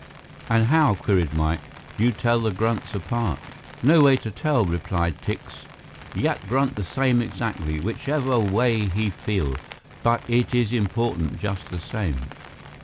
"And how," queried Mike, "do you tell the grunts apart?" "No way to tell," replied Tikse. "Yak grunt the same exactly, whichever way he feel. But it is important just the same."